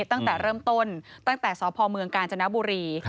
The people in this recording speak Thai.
ตั้งแต่เริ่มต้นตั้งแต่สพเมืองกาญจนบุรี